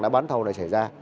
đã bán thầu này xảy ra